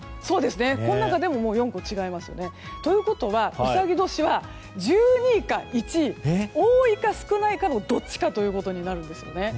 この中でも４個違いますね。ということはうさぎ年は１２位か２位多いか少ないかのどっちかということになるんですね。